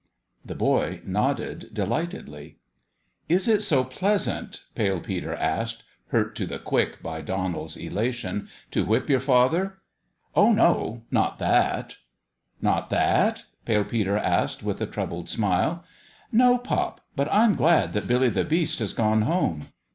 The boy nodded delightedly. 314 THE END OF THE GAME " Is it so pleasant," Pale Peter asked, hurt to the quick by Donald's elation, " to whip your father?" " Oh, no ; not that !"" Not that ?" Pale Peter asked, with a troubled smile. " No, pop ; but I'm glad that Billy the Beast has gone home."